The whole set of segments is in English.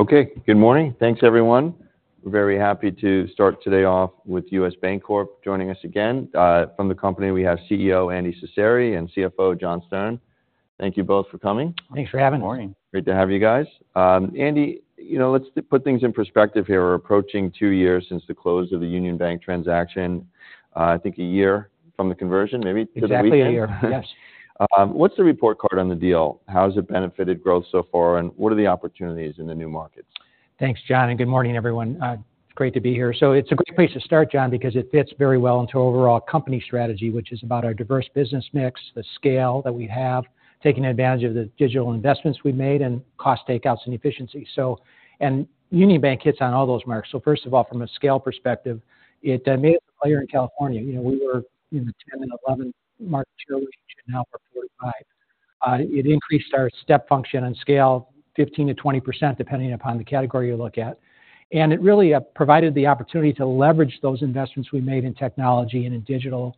Okay, good morning. Thanks, everyone. We're very happy to start today off with U.S. Bancorp joining us again. From the company, we have CEO, Andy Cecere, and CFO, John Stern. Thank you both for coming. Thanks for having me. Morning. Great to have you guys. Andy, you know, let's put things in perspective here. We're approaching two years since the close of the Union Bank transaction. I think a year from the conversion, maybe to the weekend? Exactly a year, yes. What's the report card on the deal? How has it benefited growth so far, and what are the opportunities in the new markets? Thanks, John, and good morning, everyone. It's great to be here. So it's a great place to start, John, because it fits very well into our overall company strategy, which is about our diverse business mix, the scale that we have, taking advantage of the digital investments we made, and cost takeouts and efficiency. So and Union Bank hits on all those marks. So first of all, from a scale perspective, it made us a player in California. You know, we were in the 10 and 11 market share range, and now we're 4, 5. It increased our step function and scale 15%-20%, depending upon the category you look at. It really provided the opportunity to leverage those investments we made in technology and in digital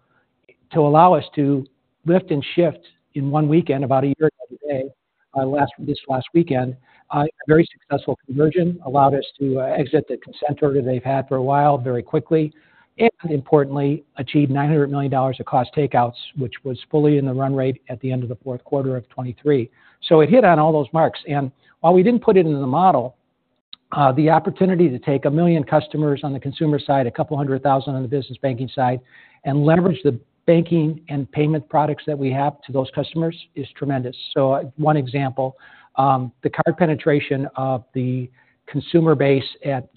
to allow us to lift and shift in one weekend, about a year and a day, this last weekend. A very successful conversion allowed us to exit the consent order they've had for a while, very quickly, and importantly, achieve $900 million of cost takeouts, which was fully in the run rate at the end of the fourth quarter of 2023. So it hit on all those marks. And while we didn't put it into the model, the opportunity to take 1 million customers on the consumer side, 200,000 on the business banking side, and leverage the banking and payment products that we have to those customers is tremendous. So one example, the card penetration of the consumer base at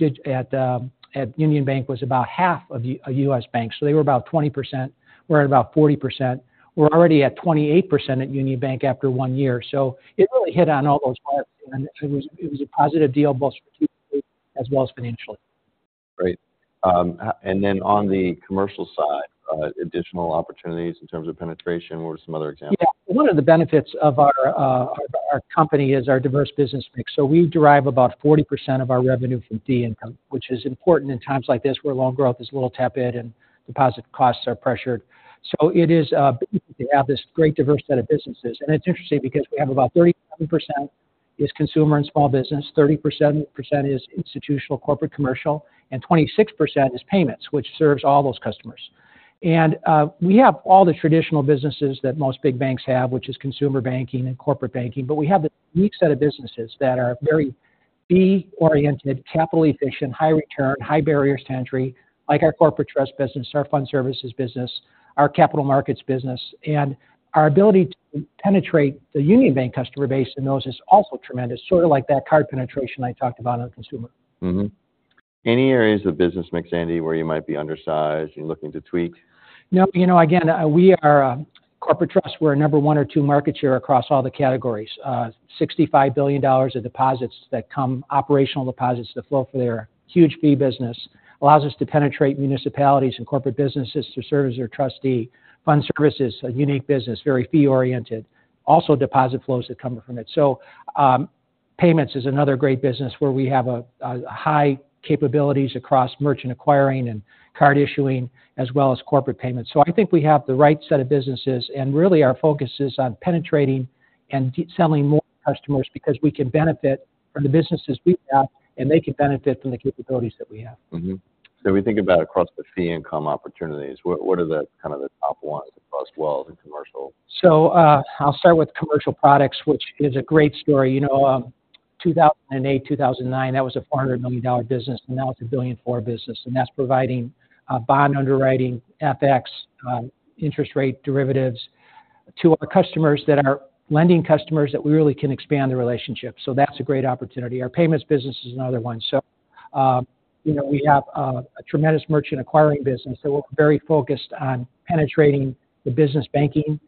Union Bank was about half of U.S. Bank. So they were about 20%. We're at about 40%. We're already at 28% at Union Bank after one year, so it really hit on all those marks, and it was a positive deal, both strategically as well as financially. Great. And then on the commercial side, additional opportunities in terms of penetration, what are some other examples? Yeah. One of the benefits of our, our company is our diverse business mix. So we derive about 40% of our revenue from fee income, which is important in times like this, where loan growth is a little tepid and deposit costs are pressured. So it is, to have this great diverse set of businesses. And it's interesting because we have about 37% is consumer and small business, 30% is institutional, corporate, commercial, and 26% is payments, which serves all those customers. And, we have all the traditional businesses that most big banks have, which is consumer banking and corporate banking. But we have a unique set of businesses that are very fee-oriented, capital efficient, high return, high barriers to entry, like our corporate trust business, our fund services business, our capital markets business. Our ability to penetrate the Union Bank customer base in those is also tremendous, sort of like that card penetration I talked about on consumer. Mm-hmm. Any areas of business mix, Andy, where you might be undersized and looking to tweak? No, you know, again, we are a corporate trust. We're a number one or two market share across all the categories. $65 billion of deposits that come, operational deposits that flow through there. Huge fee business, allows us to penetrate municipalities and corporate businesses to serve as their trustee. Fund services, a unique business, very fee oriented. Also, deposit flows that come from it. So, payments is another great business where we have a high capabilities across merchant acquiring and card issuing, as well as corporate payments. So I think we have the right set of businesses, and really, our focus is on penetrating and cross-selling more customers because we can benefit from the businesses we have, and they can benefit from the capabilities that we have. Mm-hmm. So we think about across the fee income opportunities, what are the kind of the top ones across wealth and commercial? So, I'll start with commercial products, which is a great story. You know, 2008, 2009, that was a $400 million business, and now it's a $1 billion business. And that's providing bond underwriting, FX, interest rate derivatives to our customers that are lending customers that we really can expand the relationship. So that's a great opportunity. Our payments business is another one. So, you know, we have a tremendous merchant acquiring business, so we're very focused on penetrating the business banking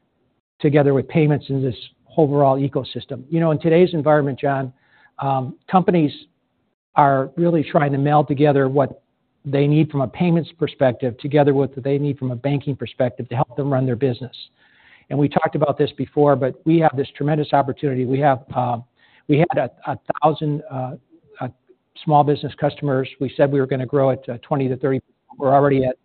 together with payments in this overall ecosystem. You know, in today's environment, John, companies are really trying to meld together what they need from a payments perspective, together with what they need from a banking perspective to help them run their business. And we talked about this before, but we have this tremendous opportunity. We have, we had a thousand small business customers. We said we were going to grow at 20%-30%. We're already at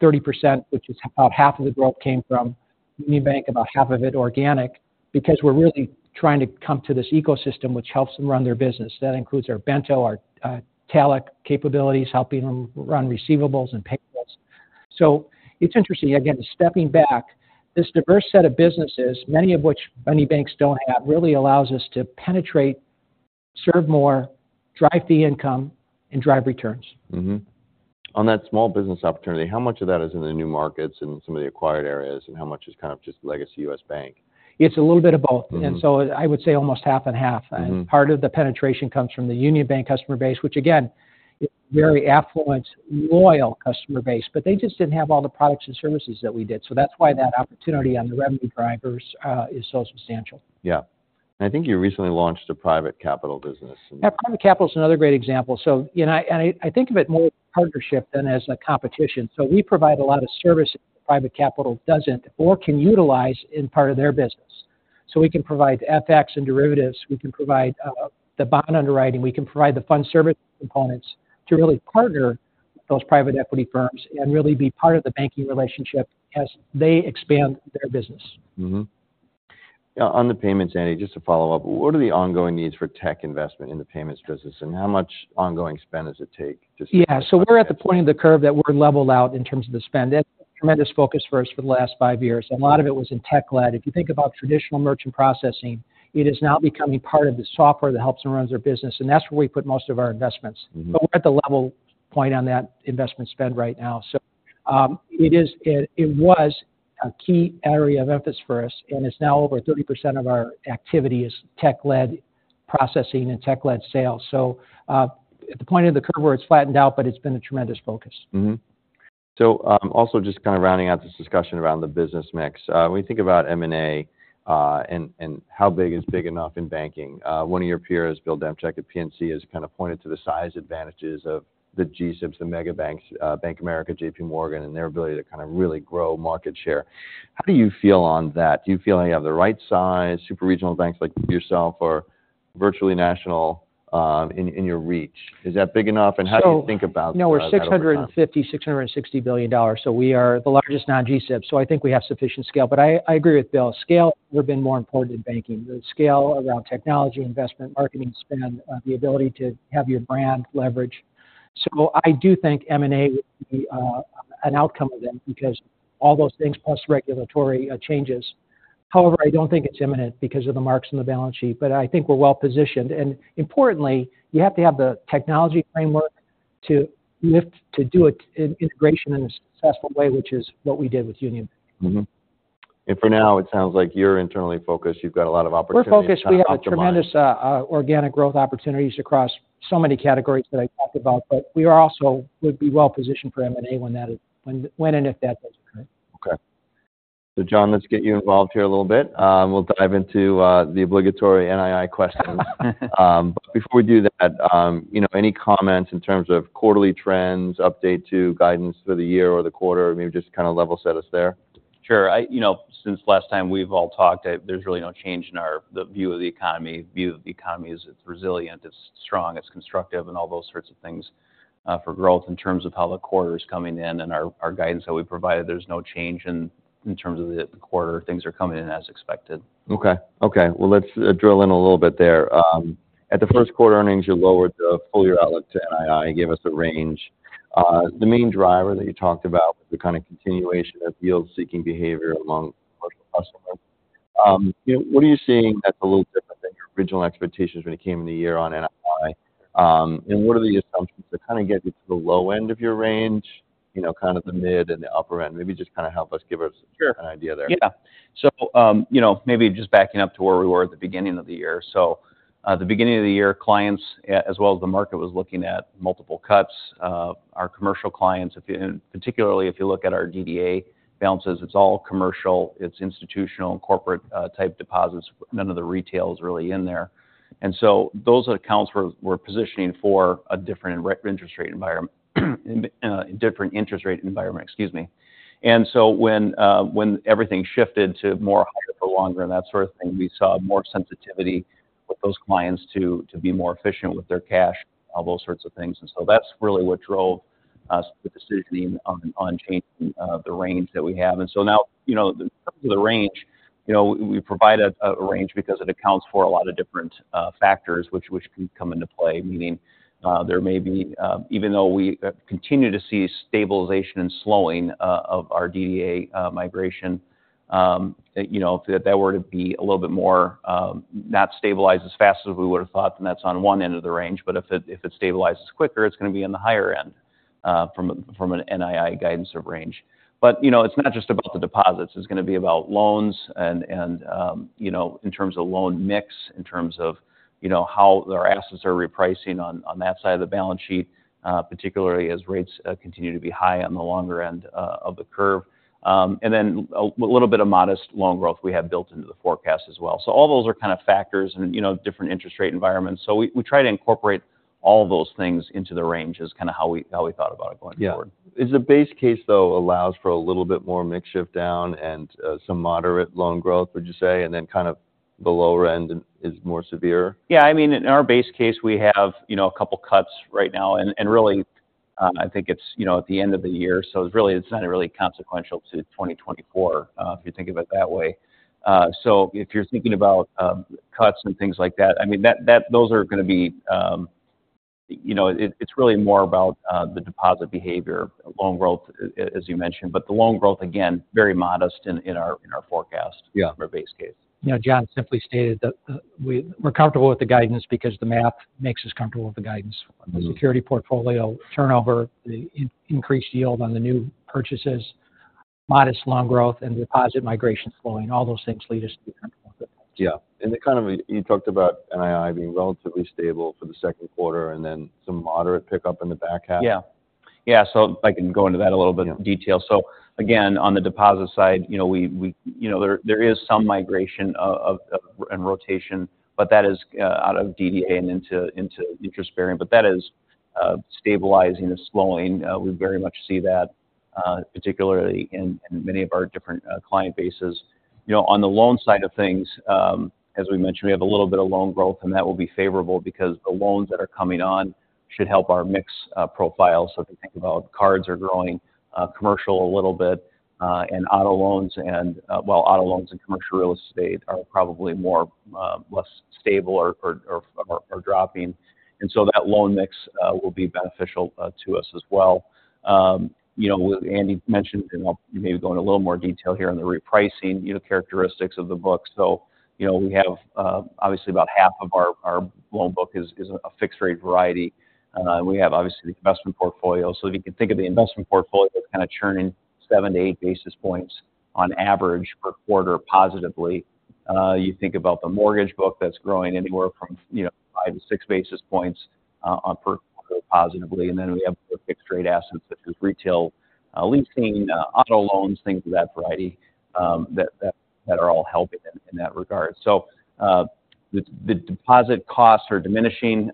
30%, which is about half of the growth came from Union Bank, about half of it organic, because we're really trying to come to this ecosystem, which helps them run their business. That includes our Bento, our talech capabilities, helping them run receivables and payables. So it's interesting, again, stepping back, this diverse set of businesses, many of which many banks don't have, really allows us to penetrate, serve more, drive the income, and drive returns. Mm-hmm. On that small business opportunity, how much of that is in the new markets and some of the acquired areas, and how much is kind of just legacy U.S. Bank? It's a little bit of both. Mm-hmm. I would say almost half and half. Mm-hmm. Part of the penetration comes from the Union Bank customer base, which again, is very affluent, loyal customer base, but they just didn't have all the products and services that we did. That's why that opportunity on the revenue drivers is so substantial. Yeah. I think you recently launched a private capital business. Yeah, private capital is another great example. So, you know, I, I think of it more as a partnership than as a competition. So we provide a lot of service that private capital doesn't or can utilize in part of their business. So we can provide FX and derivatives, we can provide the bond underwriting, we can provide the fund service components to really partner those private equity firms and really be part of the banking relationship as they expand their business. Mm-hmm. Yeah, on the payments, Andy, just to follow up, what are the ongoing needs for tech investment in the payments business, and how much ongoing spend does it take just- Yeah. So we're at the point of the curve that we've leveled out in terms of the spend. That's tremendous focus for us for the last five years. A lot of it was in tech-led. If you think about traditional merchant processing, it is now becoming part of the software that helps and runs our business, and that's where we put most of our investments. Mm-hmm. But we're at the level point on that investment spend right now. So, it was a key area of emphasis for us, and it's now over 30% of our activity is tech-led processing and tech-led sales. So, at the point of the curve where it's flattened out, but it's been a tremendous focus. Mm-hmm. So, also just kind of rounding out this discussion around the business mix. When you think about M&A, and how big is big enough in banking, one of your peers, Bill Demchak at PNC, has kind of pointed to the size advantages of the GSIBs, the mega banks, Bank of America, JPMorgan, and their ability to kind of really grow market share. How do you feel on that? Do you feel like you have the right size, super regional banks like yourself or virtually national, in your reach? Is that big enough, and how do you think about- So- that over time? No, we're $650-$660 billion, so we are the largest non-GSIB, so I think we have sufficient scale. But I agree with Bill. Scale never been more important than banking. The scale around technology, investment, marketing spend, the ability to have your brand leverage. So I do think M&A would be an outcome of them because all those things plus regulatory changes. However, I don't think it's imminent because of the marks on the balance sheet, but I think we're well positioned. And importantly, you have to have the technology framework to do integration in a successful way, which is what we did with Union Bank. Mm-hmm. And for now, it sounds like you're internally focused. You've got a lot of opportunities- We're focused. We have tremendous organic growth opportunities across so many categories that I talked about, but we are also would be well positioned for M&A when that is when and if that does occur. Okay. So, John, let's get you involved here a little bit, we'll dive into the obligatory NII questions. But before we do that, you know, any comments in terms of quarterly trends, update to guidance for the year or the quarter, or maybe just kind of level set us there? Sure. You know, since last time we've all talked, there's really no change in our view of the economy. The view of the economy is it's resilient, it's strong, it's constructive, and all those sorts of things for growth. In terms of how the quarter is coming in and our guidance that we provided, there's no change in terms of the quarter. Things are coming in as expected. Okay. Okay, well, let's drill in a little bit there. At the first quarter earnings, you lowered the full year outlook to NII, gave us a range. The main driver that you talked about was the kind of continuation of yield-seeking behavior among commercial customers. You know, what are you seeing that's a little different than your original expectations when it came in the year on NII? And what are the assumptions to kind of get you to the low end of your range, you know, kind of the mid and the upper end? Maybe just kind of help us, give us- Sure... an idea there. Yeah. So, you know, maybe just backing up to where we were at the beginning of the year. So, the beginning of the year, clients, as well as the market, was looking at multiple cuts. Our commercial clients, if you... and particularly, if you look at our DDA balances, it's all commercial, it's institutional and corporate, type deposits. None of the retail is really in there. And so those accounts were, were positioning for a different interest rate environment, different interest rate environment, excuse me. And so when, when everything shifted to more higher for longer and that sort of thing, we saw more sensitivity with those clients to, to be more efficient with their cash, all those sorts of things. And so that's really what drove us, the decisioning on, on changing, the range that we have. And so now, you know, the range, you know, we provide a range because it accounts for a lot of different factors which can come into play. Meaning, there may be, even though we continue to see stabilization and slowing of our DDA migration, you know, if that were to be a little bit more not stabilized as fast as we would have thought, then that's on one end of the range. But if it stabilizes quicker, it's gonna be on the higher end from an NII guidance of range. But, you know, it's not just about the deposits, it's gonna be about loans and you know, in terms of loan mix, in terms of, you know, how their assets are repricing on that side of the balance sheet, particularly as rates continue to be high on the longer end of the curve. And then a little bit of modest loan growth we have built into the forecast as well. So all those are kind of factors and, you know, different interest rate environments. So we try to incorporate all those things into the range, is kind of how we thought about it going forward. Yeah. Is the base case, though, allows for a little bit more mix shift down and, some moderate loan growth, would you say? And then kind of the lower end is more severe? Yeah, I mean, in our base case, we have, you know, a couple of cuts right now, and really, I think it's, you know, at the end of the year, so it's really, it's not really consequential to 2024, if you think of it that way. So if you're thinking about, cuts and things like that, I mean, those are gonna be, you know... It's really more about, the deposit behavior, loan growth, as you mentioned, but the loan growth, again, very modest in our forecast- Yeah our base case. You know, John simply stated that, we're comfortable with the guidance because the math makes us comfortable with the guidance. Mm-hmm. The security portfolio turnover, the increased yield on the new purchases, modest loan growth and deposit migration flowing, all those things lead us to be comfortable with it. Yeah. And it kind of, you talked about NII being relatively stable for the second quarter and then some moderate pickup in the back half. Yeah. Yeah, so I can go into that a little bit- Yeah - of detail. So again, on the deposit side, you know, we-- you know, there is some migration and rotation, but that is out of DDA and into interest bearing. But that is stabilizing and slowing. We very much see that, particularly in many of our different client bases. You know, on the loan side of things, as we mentioned, we have a little bit of loan growth, and that will be favorable because the loans that are coming on should help our mix profile. So if you think about cards are growing, commercial a little bit, and auto loans and, well, auto loans and commercial real estate are probably more less stable or are dropping. And so that loan mix will be beneficial to us as well. You know, Andy mentioned, and I'll maybe go into a little more detail here on the repricing, you know, characteristics of the book. So, you know, we have, obviously, about half of our loan book is a fixed rate variety, and we have obviously the investment portfolio. So if you can think of the investment portfolio, that's kind of churning 7-8 basis points on average per quarter positively. You think about the mortgage book that's growing anywhere from, you know, 5-6 basis points on per positively, and then we have the fixed rate assets, such as retail leasing, auto loans, things of that variety, that are all helping in that regard. So, the deposit costs are diminishing,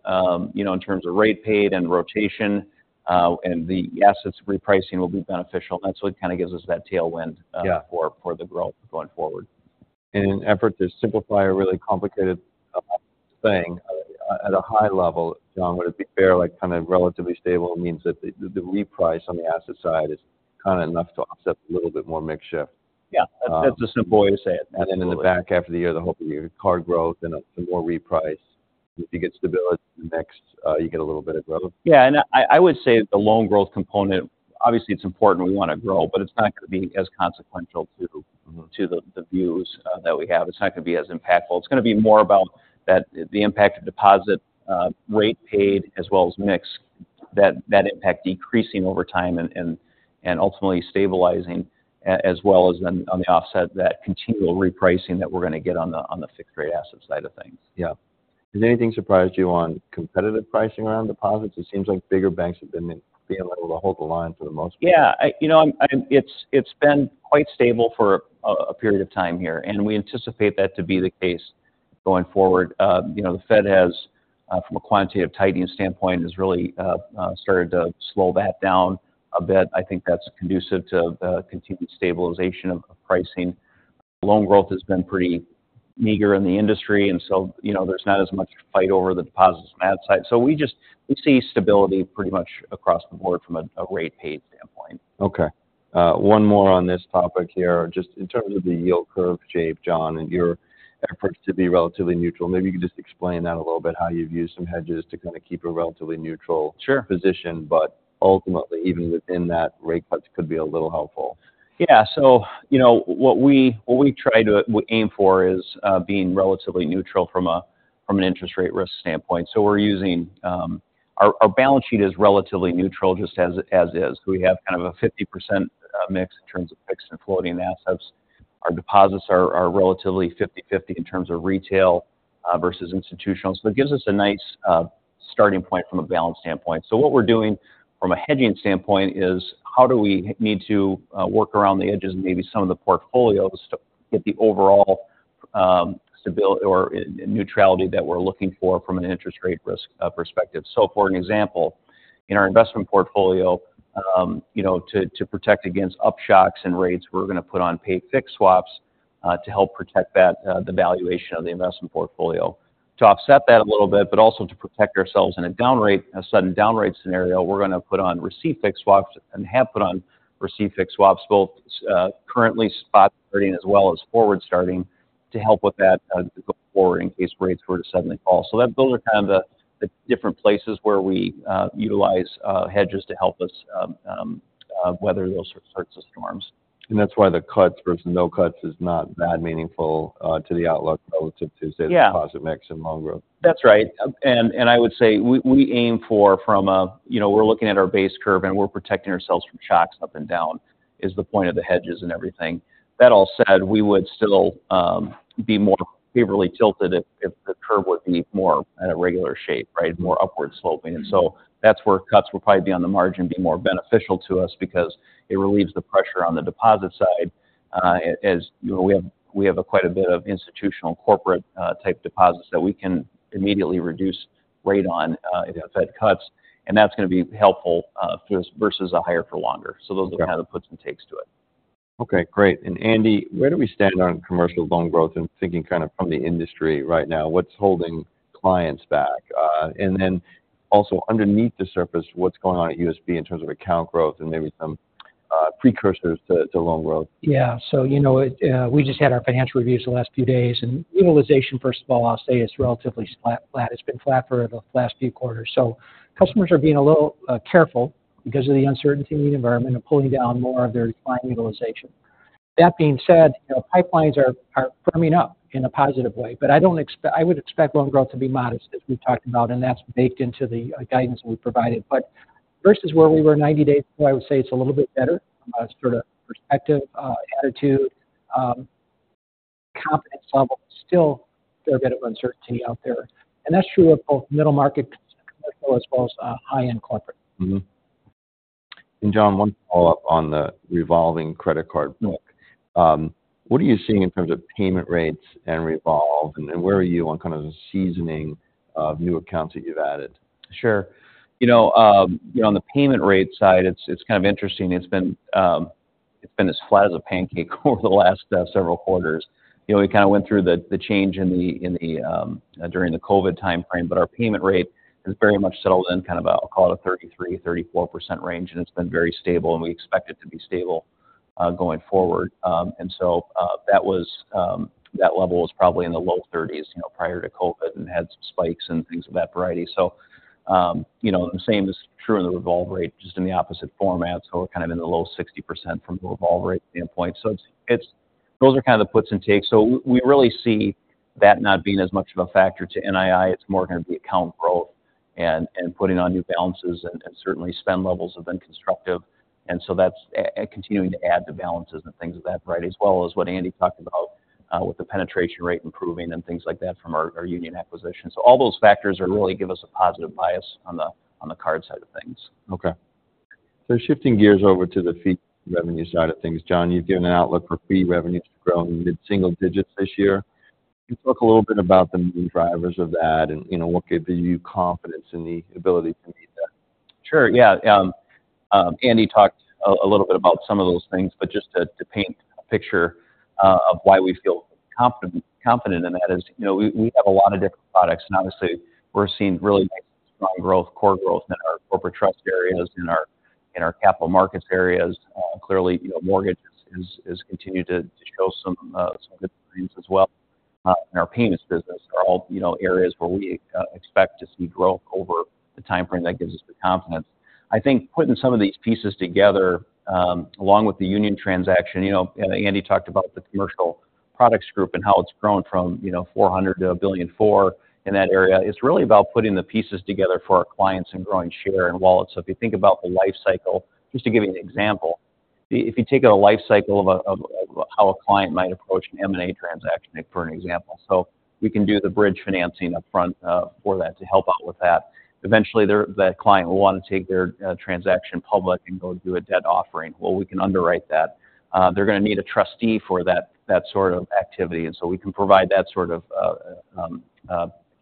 you know, in terms of rate paid and rotation, and the assets repricing will be beneficial. And so it kind of gives us that tailwind- Yeah... for the growth going forward. In an effort to simplify a really complicated thing, at a high level, John, would it be fair, like, kind of relatively stable means that the reprice on the asset side is kind of enough to offset a little bit more mix shift? Yeah. Um- That's a simple way to say it. And then in the back half of the year, the whole card growth and a more reprice, if you get stability in the next, you get a little bit of growth? Yeah, and I would say the loan growth component, obviously it's important, we want to grow, but it's not going to be as consequential to- Mm-hmm... to the views that we have. It's not going to be as impactful. It's going to be more about the impact of deposit rate paid, as well as mix, that impact decreasing over time and ultimately stabilizing as well as then on the offset, that continual repricing that we're going to get on the fixed rate asset side of things. Yeah. Has anything surprised you on competitive pricing around deposits? It seems like bigger banks have been being able to hold the line for the most part. Yeah. You know, it's been quite stable for a period of time here, and we anticipate that to be the case going forward. You know, the Fed has, from a quantitative tightening standpoint, has really started to slow that down a bit. I think that's conducive to continued stabilization of pricing. Loan growth has been pretty meager in the industry, and so, you know, there's not as much fight over the deposits from that side. So we just, we see stability pretty much across the board from a rate paid standpoint. Okay. One more on this topic here. Just in terms of the yield curve shape, John, and your efforts to be relatively neutral. Maybe you could just explain that a little bit, how you've used some hedges to kind of keep a relatively neutral- Sure... position, but ultimately, even within that, rate cuts could be a little helpful. Yeah. So you know, what we try to aim for is being relatively neutral from an interest rate risk standpoint. So we're using our balance sheet, which is relatively neutral just as is. We have kind of a 50% mix in terms of fixed and floating assets. Our deposits are relatively 50/50 in terms of retail versus institutional. So it gives us a nice starting point from a balance standpoint. So what we're doing from a hedging standpoint is, how do we need to work around the edges and maybe some of the portfolios to get the overall stability or neutrality that we're looking for from an interest rate risk perspective? So, for an example, in our investment portfolio, you know, to, to protect against up shocks and rates, we're going to put on pay fixed swaps, to help protect that, the valuation of the investment portfolio. To offset that a little bit, but also to protect ourselves in a down rate, a sudden down rate scenario, we're going to put on receive fixed swaps and have put on receive fixed swaps, both, currently spot starting as well as forward starting, to help with that, going forward in case rates were to suddenly fall. So that, those are kind of the different places where we utilize hedges to help us weather those sorts of storms. That's why the cuts versus no cuts is not that meaningful to the outlook relative to, say- Yeah... the deposit mix and loan growth. That's right. And I would say we aim for from a, you know, we're looking at our base curve, and we're protecting ourselves from shocks up and down, is the point of the hedges and everything. That all said, we would still be more favorably tilted if the curve would be more at a regular shape, right? More upward sloping. Mm-hmm. And so that's where cuts will probably be on the margin, be more beneficial to us because it relieves the pressure on the deposit side. As you know, we have a quite a bit of institutional corporate type deposits that we can immediately reduce rate on, if the Fed cuts, and that's going to be helpful, versus a higher for longer. Yeah. Those are kind of the puts and takes to it. Okay, great. And Andy, where do we stand on commercial loan growth? And thinking kind of from the industry right now, what's holding clients back? And then also underneath the surface, what's going on at USB in terms of account growth and maybe some precursors to loan growth? Yeah. So, you know, it... We just had our financial reviews the last few days, and utilization, first of all, I'll say, is relatively flat, flat. It's been flat for the last few quarters. So customers are being a little careful because of the uncertainty in the environment of pulling down more of their client utilization. That being said, you know, pipelines are firming up in a positive way, but I would expect loan growth to be modest, as we've talked about, and that's baked into the guidance we provided. But versus where we were 90 days ago, I would say it's a little bit better, as sort of perspective, attitude, confidence level is still a fair bit of uncertainty out there, and that's true of both middle market as well as high-end corporate. Mm-hmm. And John, one follow-up on the revolving credit card book. What are you seeing in terms of payment rates and revolve, and where are you on kind of the seasoning of new accounts that you've added? Sure. You know, on the payment rate side, it's kind of interesting. It's been as flat as a pancake over the last several quarters. You know, we kind of went through the change in the during the COVID timeframe, but our payment rate has very much settled in kind of a, I'll call it a 33%-34% range, and it's been very stable, and we expect it to be stable going forward. And so, that was that level was probably in the low 30s, you know, prior to COVID, and had some spikes and things of that variety. So, you know, the same is true in the revolve rate, just in the opposite format. So we're kind of in the low 60% from the revolve rate standpoint. So it's those are kind of the puts and takes. So we really see that not being as much of a factor to NII, it's more going to be account growth and putting on new balances and certainly spend levels have been constructive. And so that's continuing to add to balances and things of that variety, as well as what Andy talked about with the penetration rate improving and things like that from our Union acquisition. So all those factors are really give us a positive bias on the card side of things. Okay. So shifting gears over to the fee revenue side of things, John, you've given an outlook for fee revenues to grow in mid-single-digits this year. Can you talk a little bit about the main drivers of that, and, you know, what gives you confidence in the ability to meet that? Sure, yeah. Andy talked a little bit about some of those things, but just to paint a picture of why we feel confident in that is, you know, we have a lot of different products. And obviously, we're seeing really nice, strong growth, core growth in our corporate trust areas, in our capital markets areas. Clearly, you know, mortgages is continued to show some good trends as well, in our payments business are all, you know, areas where we expect to see growth over the timeframe that gives us the confidence. I think putting some of these pieces together, along with the Union transaction, you know, and Andy talked about the commercial products group and how it's grown from $400 million to $1.4 billion in that area. It's really about putting the pieces together for our clients and growing share and wallet. So if you think about the life cycle, just to give you an example, if you take a life cycle of how a client might approach an M&A transaction, for example. So we can do the bridge financing upfront for that to help out with that. Eventually, that client will want to take their transaction public and go do a debt offering. Well, we can underwrite that. They're going to need a trustee for that, that sort of activity, and so we can provide that sort of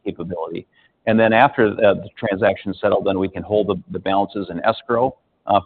capability. And then after the transaction is settled, then we can hold the balances in escrow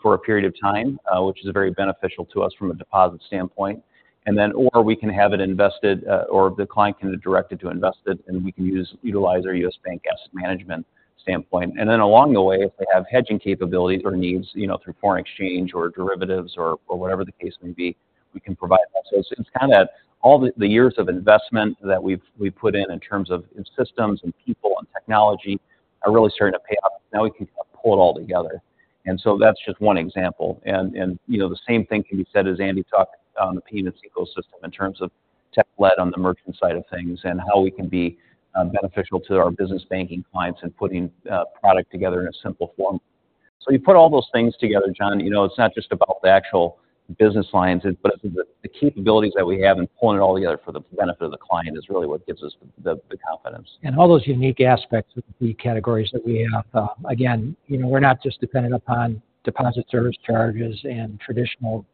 for a period of time, which is very beneficial to us from a deposit standpoint. And then or we can have it invested, or the client can direct it to invest it, and we can utilize our U.S. Bank Asset Management standpoint. And then along the way, if they have hedging capabilities or needs, you know, through foreign exchange or derivatives or whatever the case may be, we can provide that. So it's kind of all the years of investment that we've put in, in terms of systems and people and technology, are really starting to pay off. Now, we can kind of pull it all together. And so that's just one example. You know, the same thing can be said, as Andy talked on the payments ecosystem, in terms of tech lead on the merchant side of things, and how we can be beneficial to our business banking clients in putting product together in a simple form. So you put all those things together, John, you know, it's not just about the actual business lines, but the capabilities that we have in pulling it all together for the benefit of the client is really what gives us the confidence. All those unique aspects of the categories that we have. Again, you know, we're not just dependent upon deposit service charges and traditional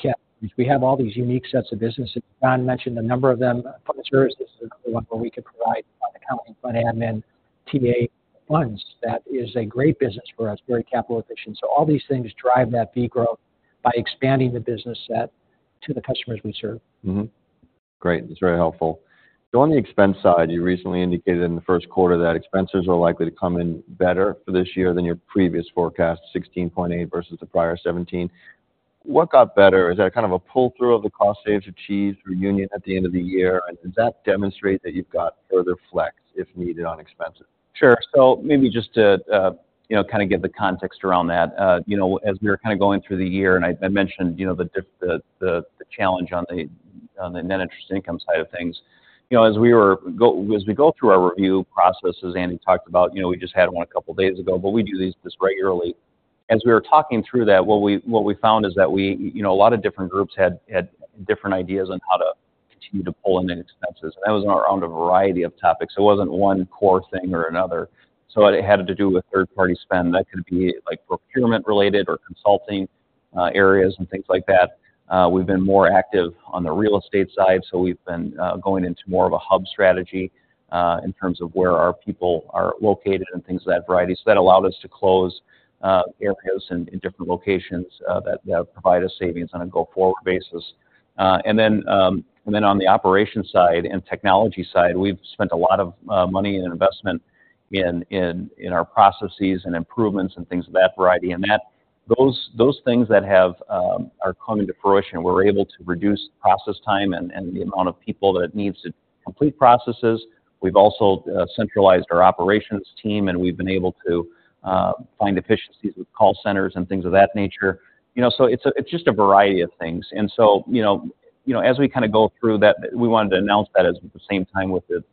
categories. We have all these unique sets of businesses. John mentioned a number of them. Fund Services is another one where we could provide accounting, fund admin TA funds. That is a great business for us, very capital efficient. So all these things drive that fee growth by expanding the business set to the customers we serve. Mm-hmm. Great. That's very helpful. So on the expense side, you recently indicated in the first quarter that expenses are likely to come in better for this year than your previous forecast, $16.8 versus the prior $17. What got better? Is that kind of a pull-through of the cost savings achieved through Union at the end of the year? And does that demonstrate that you've got further flex, if needed, on expenses? Sure. So maybe just to you know, kind of give the context around that. You know, as we were kind of going through the year and I mentioned, you know, the challenge on the net interest income side of things. You know, as we go through our review processes, as Andy talked about, you know, we just had one a couple of days ago, but we do these regularly. As we were talking through that, what we found is that you know, a lot of different groups had different ideas on how to continue to pull in the expenses. That was around a variety of topics. It wasn't one core thing or another, so it had to do with third-party spend. That could be like procurement-related or consulting areas, and things like that. We've been more active on the real estate side, so we've been going into more of a hub strategy in terms of where our people are located and things of that variety. So that allowed us to close areas in different locations that provide us savings on a go-forward basis. And then on the operations side and technology side, we've spent a lot of money and investment in our processes and improvements and things of that variety. And that those things that are coming to fruition, we're able to reduce process time and the amount of people that it needs to complete processes. We've also centralized our operations team, and we've been able to find efficiencies with call centers and things of that nature. You know, so it's just a variety of things. And so, you know, you know, as we kind of go through that, we wanted to announce that at the same time with the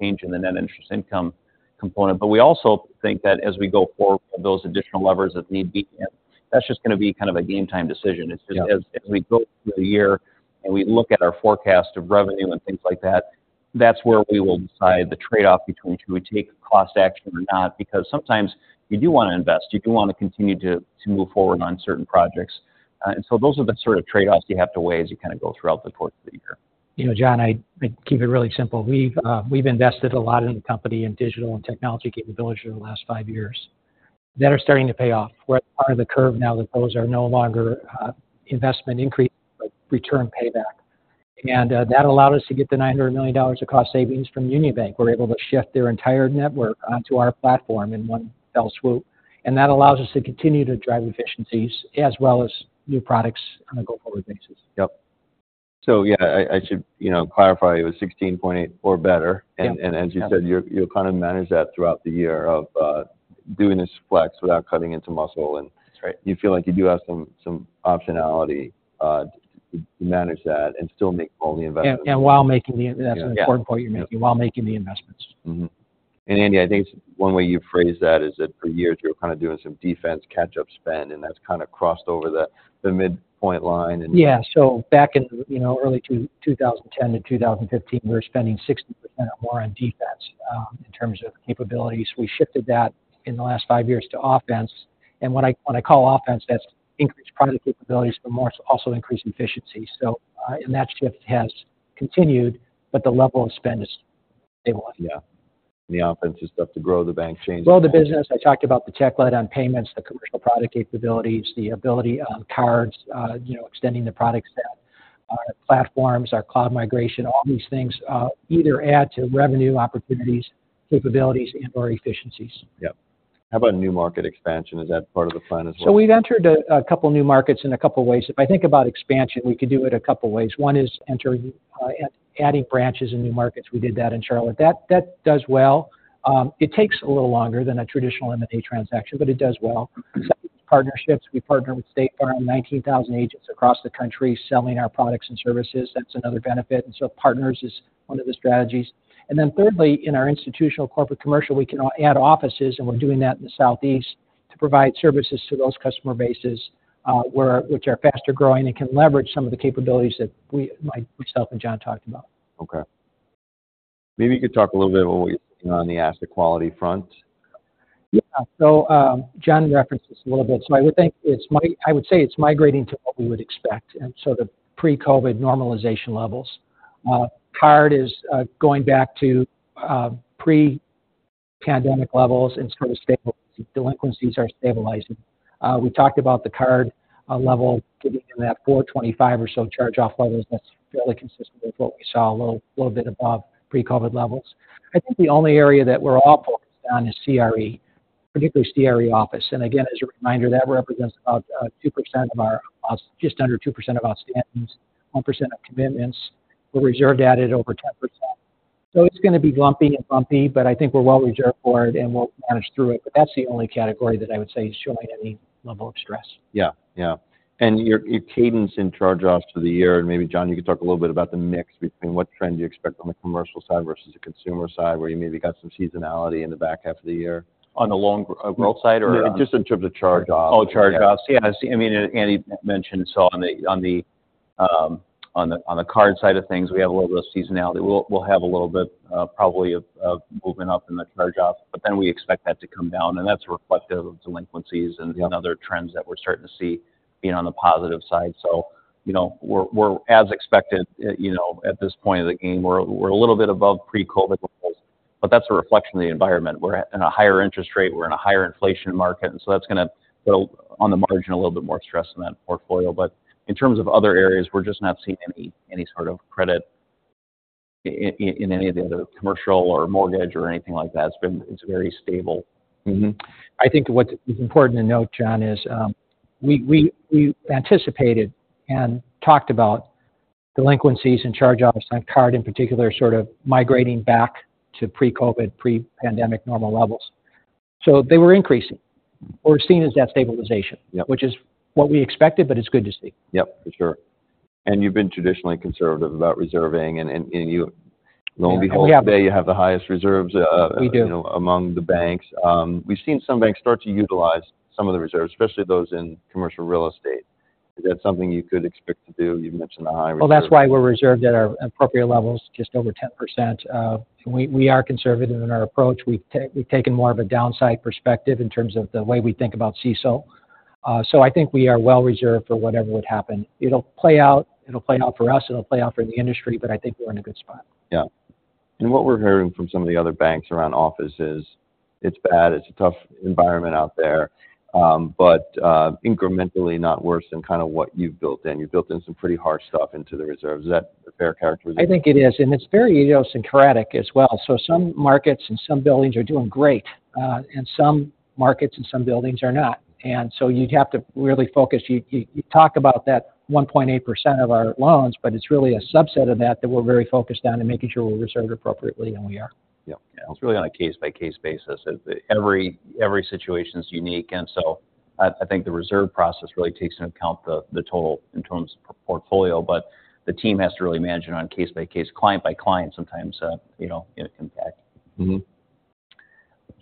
change in the net interest income component. But we also think that as we go forward, those additional levers that need be in, that's just going to be kind of a game time decision. Yeah. As we go through the year and we look at our forecast of revenue and things like that, that's where we will decide the trade-off between, should we take cost action or not? Because sometimes you do want to invest, you do want to continue to move forward on certain projects. And so those are the sort of trade-offs you have to weigh as you kind of go throughout the course of the year. You know, John, I keep it really simple. We've we've invested a lot in the company in digital and technology capabilities over the last five years.... that are starting to pay off. We're at the part of the curve now that those are no longer investment increases, but return payback. And that allowed us to get the $900 million of cost savings from Union Bank. We're able to shift their entire network onto our platform in one fell swoop, and that allows us to continue to drive efficiencies as well as new products on a go-forward basis. Yep. So yeah, I should, you know, clarify it was 16.8 or better. Yeah. And as you said, you'll kind of manage that throughout the year of doing this flex without cutting into muscle, and- That's right... you feel like you do have some optionality to manage that and still make all the investments- While making the- Yeah. That's an important point you're making, while making the investments. Mm-hmm. And Andy, I think one way you phrased that is that for years you were kind of doing some defense catch-up spend, and that's kind of crossed over the midpoint line, and- Yeah. So back in, you know, early 2010 to 2015, we were spending 60% or more on defense in terms of capabilities. We shifted that in the last five years to offense, and when I call offense, that's increased product capabilities, but more, it's also increased efficiency. So, and that shift has continued, but the level of spend is stable. Yeah. The offense is stuff to grow the bank, change- Grow the business. I talked about the tech lead on payments, the commercial product capabilities, the ability on cards, you know, extending the product set, platforms, our cloud migration. All these things, either add to revenue opportunities, capabilities, and/or efficiencies. Yep. How about new market expansion? Is that part of the plan as well? So we've entered a couple new markets in a couple ways. If I think about expansion, we could do it a couple ways. One is entering, adding branches in new markets. We did that in Charlotte. That does well. It takes a little longer than a traditional M&A transaction, but it does well. Partnerships, we partner with State Farm, 19,000 agents across the country, selling our products and services. That's another benefit, and so partners is one of the strategies. And then thirdly, in our institutional corporate commercial, we can add offices, and we're doing that in the Southeast to provide services to those customer bases, which are faster growing and can leverage some of the capabilities that we, myself and John talked about. Okay. Maybe you could talk a little bit on what you're seeing on the asset quality front. Yeah. So, John referenced this a little bit. So I would think it's—I would say it's migrating to what we would expect, and so the pre-COVID normalization levels. Card is going back to pre-pandemic levels and sort of stabilizing—delinquencies are stabilizing. We talked about the card level getting to that 4.25 or so charge-off levels. That's fairly consistent with what we saw, a little bit above pre-COVID levels. I think the only area that we're all focused on is CRE, particularly CRE office. And again, as a reminder, that represents about 2% of our... Just under 2% of our outstandings, 1% of commitments. We're reserved at it over 10%. So it's going to be lumpy and bumpy, but I think we're well reserved for it, and we'll manage through it. But that's the only category that I would say is showing any level of stress. Yeah. Yeah. And your, your cadence in charge-offs for the year, and maybe John, you could talk a little bit about the mix between what trend you expect on the commercial side versus the consumer side, where you maybe got some seasonality in the back half of the year. On the loan growth side or on? Just in terms of charge-offs. Oh, charge-offs. Yeah. Yeah, I see. I mean, and Andy mentioned, so on the card side of things, we have a little bit of seasonality. We'll have a little bit probably of moving up in the charge-offs, but then we expect that to come down, and that's reflective of delinquencies. Yep... and other trends that we're starting to see being on the positive side. So, you know, we're as expected, you know, at this point of the game. We're a little bit above pre-COVID levels, but that's a reflection of the environment. We're in a higher interest rate, we're in a higher inflation market, and so that's going to put, on the margin, a little bit more stress in that portfolio. But in terms of other areas, we're just not seeing any sort of credit issues in any of the other commercial or mortgage or anything like that. It's been. It's very stable. Mm-hmm. I think what is important to note, John, is, we anticipated and talked about delinquencies and charge-offs on card in particular, sort of migrating back to pre-COVID, pre-pandemic normal levels. So they were increasing, or seen as that stabilization- Yep... which is what we expected, but it's good to see. Yep, for sure. And you've been traditionally conservative about reserving, and you, lo and behold, today you have the highest reserves. We do... you know, among the banks. We've seen some banks start to utilize some of the reserves, especially those in commercial real estate. Is that something you could expect to do? You've mentioned the high reserves. Well, that's why we're reserved at our appropriate levels, just over 10%. We are conservative in our approach. We've taken more of a downside perspective in terms of the way we think about CECL. So I think we are well reserved for whatever would happen. It'll play out. It'll play out for us, it'll play out for the industry, but I think we're in a good spot. Yeah. And what we're hearing from some of the other banks around office is, it's bad, it's a tough environment out there, but, incrementally not worse than kind of what you've built in. You've built in some pretty harsh stuff into the reserves. Is that a fair characterization? I think it is, and it's very idiosyncratic as well. So some markets and some buildings are doing great, and some markets and some buildings are not. And so you'd have to really focus. You talk about that 1.8% of our loans, but it's really a subset of that, that we're very focused on and making sure we're reserved appropriately, and we are. Yep. Yeah. It's really on a case-by-case basis. Every situation is unique, and so I think the reserve process really takes into account the total in terms of portfolio, but the team has to really manage it on case by case, client by client sometimes, you know, impact. Mm-hmm.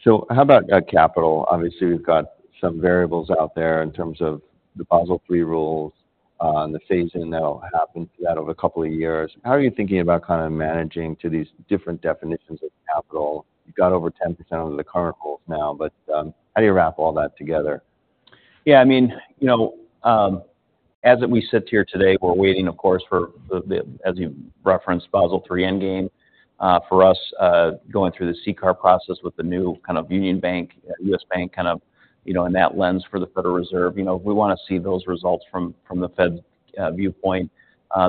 So how about capital? Obviously, we've got some variables out there in terms of the Basel III rules, and the phasing that'll happen to that over a couple of years. How are you thinking about kind of managing to these different definitions of capital? You've got over 10% of the current rules now, but how do you wrap all that together?... Yeah, I mean, you know, as we sit here today, we're waiting, of course, for the Basel III Endgame, as you referenced. For us, going through the CCAR process with the new kind of Union Bank, U.S. Bank, kind of, you know, and that lens for the Federal Reserve. You know, we want to see those results from the Fed's viewpoint.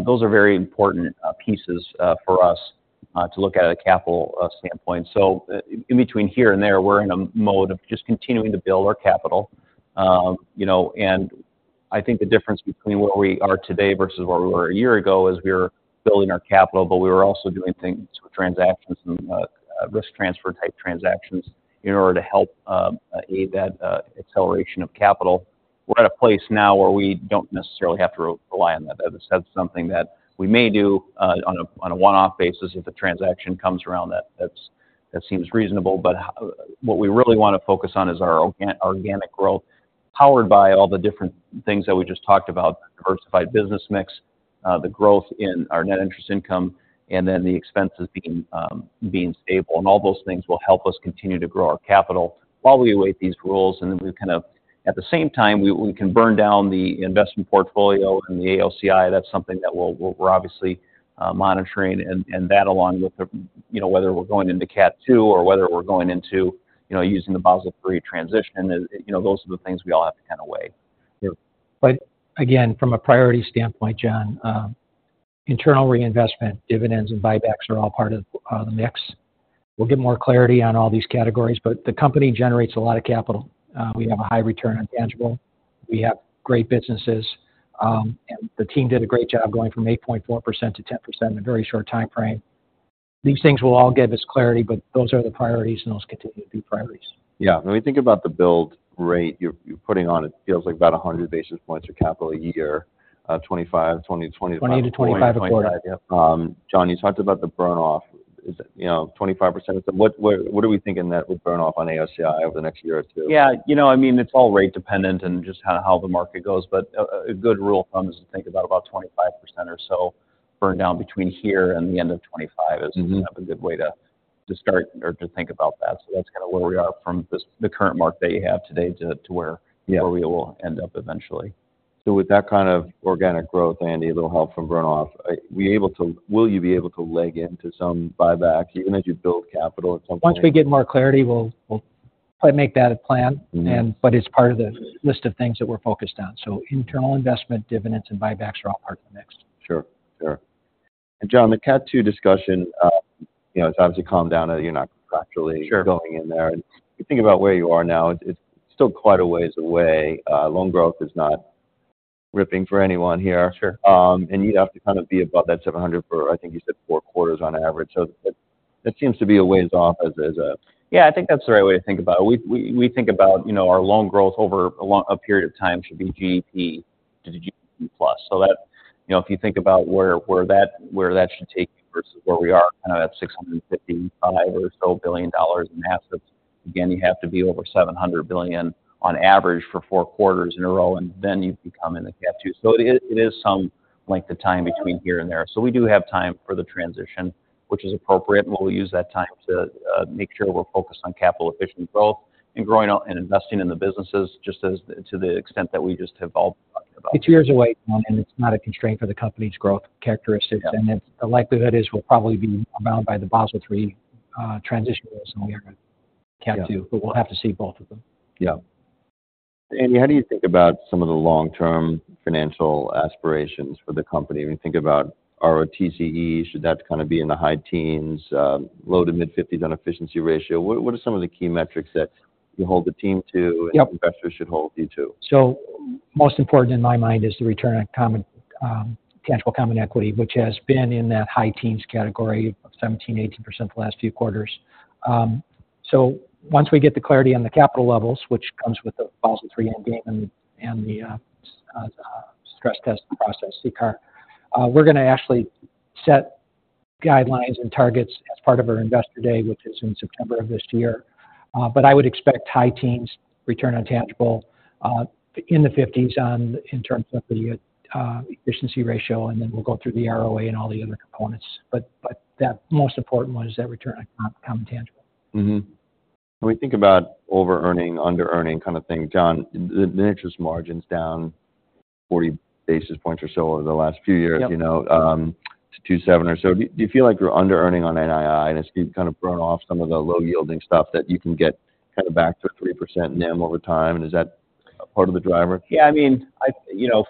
Those are very important pieces for us to look at a capital standpoint. So in between here and there, we're in a mode of just continuing to build our capital. You know, and I think the difference between where we are today versus where we were a year ago, is we were building our capital, but we were also doing things with transactions and risk transfer-type transactions in order to help aid that acceleration of capital. We're at a place now where we don't necessarily have to rely on that. That is something that we may do on a one-off basis if a transaction comes around that seems reasonable. But what we really want to focus on is our organic growth, powered by all the different things that we just talked about: diversified business mix, the growth in our net interest income, and then the expenses being stable. And all those things will help us continue to grow our capital while we await these rules, and then we kind of, at the same time, we can burn down the investment portfolio and the AOCI. That's something that we're obviously monitoring. And that, along with the, you know, whether we're going into Cat 2 or whether we're going into, you know, using the Basel III transition, you know, those are the things we all have to kind of weigh. Yeah. But again, from a priority standpoint, John, internal reinvestment, dividends, and buybacks are all part of the mix. We'll get more clarity on all these categories, but the company generates a lot of capital. We have a high return on tangible. We have great businesses. And the team did a great job going from 8.4% to 10% in a very short time frame. These things will all give us clarity, but those are the priorities, and those continue to be priorities. Yeah. When we think about the build rate you're putting on, it feels like about 100 basis points of capital a year, 25, 20 to 20- 20-25 beforehand. Yep. John, you talked about the burn-off. Is it, you know, 25%? What are we thinking that would burn off on AOCI over the next year or two? Yeah, you know, I mean, it's all rate dependent and just kind of how the market goes. But a good rule of thumb is to think about 25% or so burn down between here and the end of 2025- Mm-hmm... is kind of a good way to, to start or to think about that. So that's kind of where we are from this, the current mark that you have today, to, to where- Yeah... where we will end up eventually. With that kind of organic growth, Andy, a little help from burn-off, will you be able to leg into some buyback, even as you build capital at some point? Once we get more clarity, we'll probably make that a plan. Mm-hmm. But it's part of the list of things that we're focused on. So internal investment, dividends, and buybacks are all part of the mix. Sure. Sure. John, the Cat 2 discussion, you know, it's obviously calmed down, and you're not contractually- Sure... going in there. You think about where you are now, it's still quite a ways away. Loan growth is not ripping for anyone here. Sure. You'd have to kind of be above that 700 for, I think you said four quarters on average. So that, that seems to be a ways off as, as a- Yeah, I think that's the right way to think about it. We think about, you know, our loan growth over a period of time should be GDP to GDP plus. So that, you know, if you think about where that should take you versus where we are, kind of at $655 billion or so in assets. Again, you have to be over $700 billion on average for four quarters in a row, and then you become in the Cat 2. So it is some length of time between here and there. So we do have time for the transition, which is appropriate, and we'll use that time to make sure we're focused on capital-efficient growth and growing out and investing in the businesses, just as to the extent that we just have all talked about. It's years away, and it's not a constraint for the company's growth characteristics. Yeah. The likelihood is we'll probably be bound by the Basel III transition rules, and we are in Cat 2. Yeah. But we'll have to see both of them. Yeah. Andy, how do you think about some of the long-term financial aspirations for the company? When you think about ROTCE, should that kind of be in the high teens, low to mid-fifties on efficiency ratio? What are some of the key metrics that you hold the team to- Yep... and investors should hold you to? So most important in my mind is the return on common tangible common equity, which has been in that high teens category of 17%-18% the last few quarters. So once we get the clarity on the capital levels, which comes with the Basel III endgame and the stress test process, CCAR, we're going to actually set guidelines and targets as part of our Investor Day, which is in September of this year. But I would expect high teens return on tangible in the 50s in terms of the efficiency ratio, and then we'll go through the ROA and all the other components. But that most important one is that return on common tangible. Mm-hmm. When we think about overearning, underearning kind of thing, John, the interest margin's down 40 basis points or so over the last few years. Yep... you know, to 2.7 or so. Do you feel like you're underearning on NII, and as you've kind of grown off some of the low-yielding stuff, that you can get kind of back to a 3% NIM over time? And is that a part of the driver? Yeah, I mean, you know--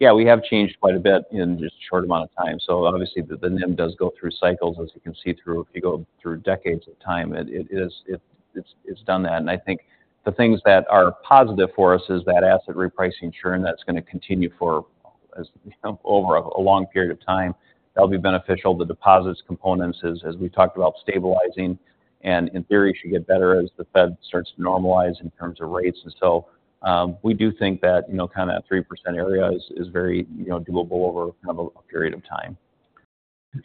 Yeah, we have changed quite a bit in just a short amount of time. So obviously, the NIM does go through cycles, as you can see through-- if you go through decades at a time. It is, it's done that. And I think the things that are positive for us is that asset repricing churn that's going to continue for, as you know, over a long period of time. That'll be beneficial. The deposits components is, as we've talked about, stabilizing and, in theory, should get better as the Fed starts to normalize in terms of rates. And so, we do think that, you know, kind of that 3% area is very, you know, doable over kind of a period of time.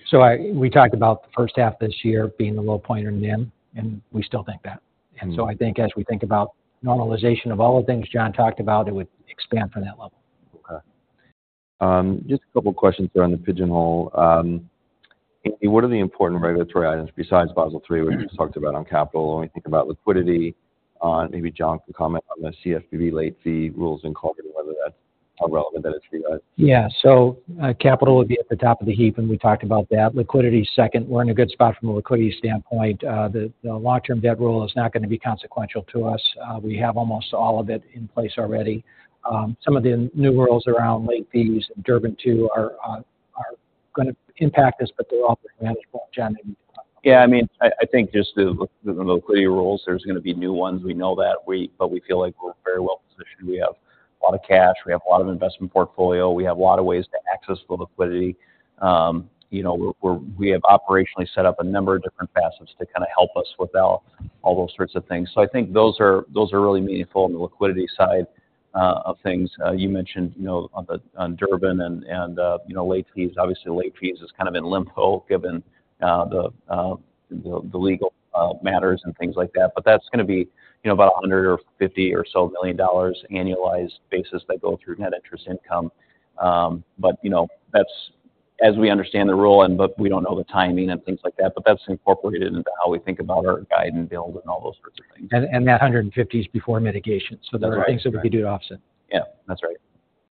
So we talked about the first half of this year being a low point in NIM, and we still think that. Mm-hmm. And so I think as we think about normalization of all the things John talked about, it would expand from that level. Okay.... Just a couple questions around the P&L. What are the important regulatory items besides Basel III, which we just talked about on capital? When we think about liquidity, maybe John can comment on the CFPB late fee rules in particular, whether that's how relevant that is for you? Yeah. So, capital would be at the top of the heap, and we talked about that. Liquidity, second, we're in a good spot from a liquidity standpoint. The long-term debt rule is not gonna be consequential to us. We have almost all of it in place already. Some of the new rules around late fees, Durbin II, are gonna impact us, but they're all manageable. John, maybe you can talk about that. Yeah, I mean, I, I think just the liquidity rules, there's gonna be new ones. We know that. But we feel like we're very well positioned. We have a lot of cash, we have a lot of investment portfolio, we have a lot of ways to access the liquidity. You know, we're, we have operationally set up a number of different facets to kind of help us without all those sorts of things. So I think those are, those are really meaningful on the liquidity side of things. You mentioned, you know, on Durbin and you know, late fees. Obviously, late fees is kind of in limbo, given, the, the legal, matters and things like that, but that's gonna be, you know, about $100 million or $50 million or so annualized basis that go through net interest income. But, you know, that's as we understand the rule and but we don't know the timing and things like that, but that's incorporated into how we think about our guide and build and all those sorts of things. that $150 is before mitigation- Right. There are things that we can do to offset. Yeah, that's right.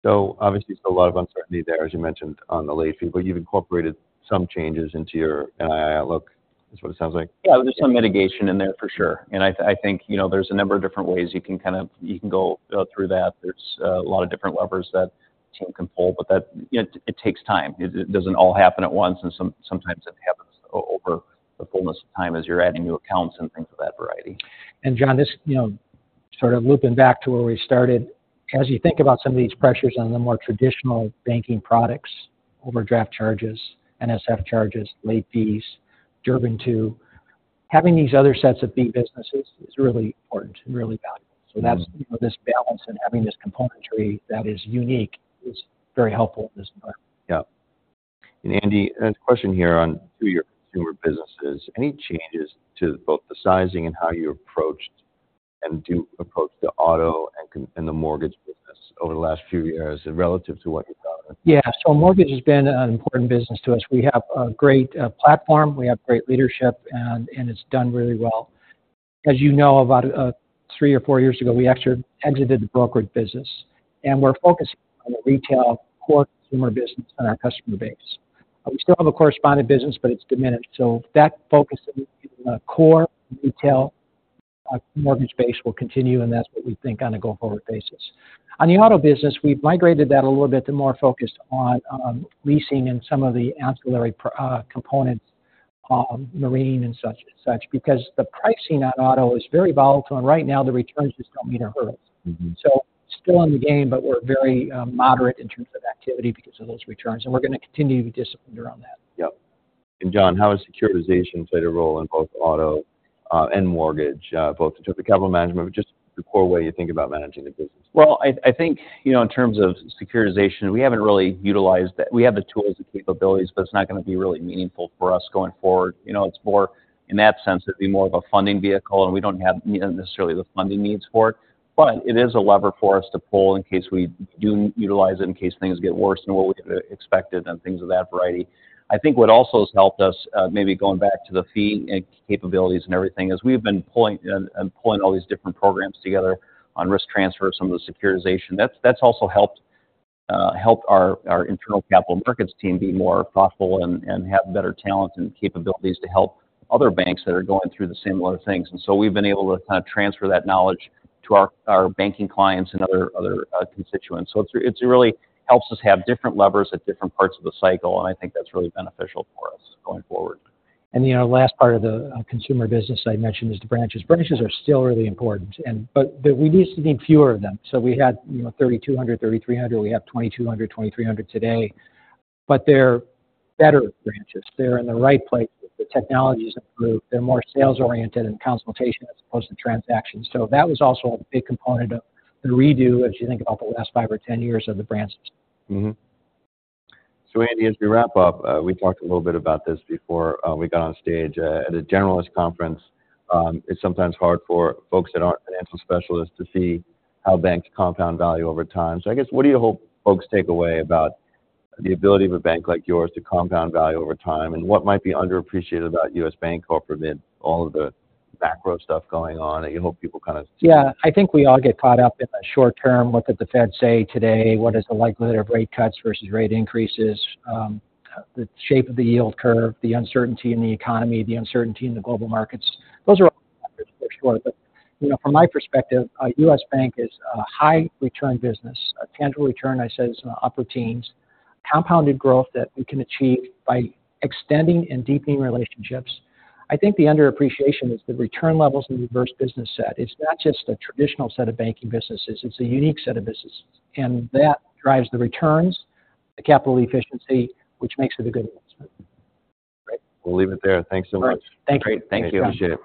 So obviously, there's a lot of uncertainty there, as you mentioned on the late fee, but you've incorporated some changes into your NII outlook. That's what it sounds like? Yeah, there's some mitigation in there for sure. And I think, you know, there's a number of different ways you can kind of go through that. There's a lot of different levers that the team can pull, but it takes time. It doesn't all happen at once, and sometimes it happens over the fullness of time as you're adding new accounts and things of that variety. And John, this, you know, sort of looping back to where we started. As you think about some of these pressures on the more traditional banking products, overdraft charges, NSF charges, late fees, Durbin II, having these other sets of fee businesses is really important and really valuable. Mm-hmm. That's, you know, this balance and having this componentry that is unique is very helpful at this point. Yeah. Andy, question here on two of your consumer businesses. Any changes to both the sizing and how you approached and do approach the auto and the mortgage business over the last few years relative to what you've done? Yeah. So mortgage has been an important business to us. We have a great platform, we have great leadership, and it's done really well. As you know, about three or four years ago, we actually exited the brokerage business, and we're focusing on the retail core consumer business and our customer base. We still have a correspondent business, but it's diminished. So that focus in the core retail mortgage base will continue, and that's what we think on a going-forward basis. On the auto business, we've migrated that a little bit to more focused on leasing and some of the ancillary components, marine and such, because the pricing on auto is very volatile, and right now the returns just don't meet our hurdles. Mm-hmm. So still in the game, but we're very moderate in terms of activity because of those returns, and we're gonna continue to be disciplined around that. Yep. And John, how has securitization played a role in both auto, and mortgage, both in terms of capital management, but just the core way you think about managing the business? Well, I think, you know, in terms of securitization, we haven't really utilized that. We have the tools and capabilities, but it's not gonna be really meaningful for us going forward. You know, it's more, in that sense, it'd be more of a funding vehicle, and we don't have necessarily the funding needs for it. But it is a lever for us to pull in case we do utilize it, in case things get worse than what we had expected and things of that variety. I think what also has helped us, maybe going back to the fee and capabilities and everything, is we've been pulling all these different programs together on risk transfer, some of the securitization. That's also helped our internal capital markets team be more thoughtful and have better talent and capabilities to help other banks that are going through the same line of things. And so we've been able to kind of transfer that knowledge to our banking clients and other constituents. So it's really helps us have different levers at different parts of the cycle, and I think that's really beneficial for us going forward. You know, last part of the consumer business I mentioned is the branches. Branches are still really important, but we used to need fewer of them. So we had, you know, 3,200, 3,300. We have 2,200, 2,300 today, but they're better branches. They're in the right place. The technology has improved. They're more sales-oriented and consultation as opposed to transactions. So that was also a big component of the redo as you think about the last five or 10 years of the branches. Mm-hmm. So Andy, as we wrap up, we talked a little bit about this before, we got on stage. At a generalist conference, it's sometimes hard for folks that aren't financial specialists to see how banks compound value over time. So I guess, what do you hope folks take away about the ability of a bank like yours to compound value over time? And what might be underappreciated about U.S. Bancorp amid all of the macro stuff going on, and you hope people kind of see? Yeah, I think we all get caught up in the short term. What did the Fed say today? What is the likelihood of rate cuts versus rate increases? The shape of the yield curve, the uncertainty in the economy, the uncertainty in the global markets. Those are all, for sure. But, you know, from my perspective, U.S. Bank is a high return business, a tangible return, I say, is in the upper teens. Compounded growth that we can achieve by extending and deepening relationships. I think the underappreciation is the return levels and diverse business set. It's not just a traditional set of banking businesses, it's a unique set of businesses, and that drives the returns, the capital efficiency, which makes it a good investment. Great. We'll leave it there. Thanks so much. Great. Thank you. Great. Thank you. Appreciate it.